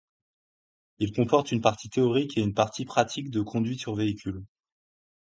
Il comporte une partie théorique et une partie pratique de conduite sur véhicule.